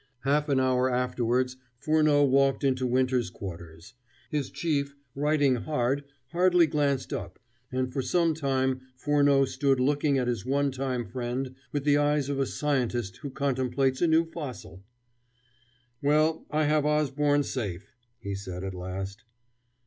Half an hour afterwards Furneaux walked into Winter's quarters. His chief, writing hard, hardly glanced up, and for some time Furneaux stood looking at his one time friend with the eyes of a scientist who contemplates a new fossil. "Well, I have Osborne safe," he said at last.